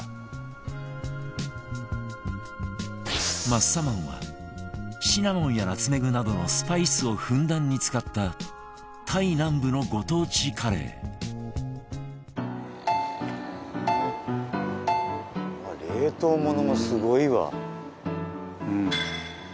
マッサマンはシナモンやナツメグなどのスパイスをふんだんに使ったタイ南部のご当地カレー冷凍ものもすごいわ。